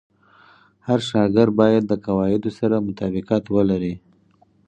هر شاګرد باید د قواعدو سره مطابقت ولري.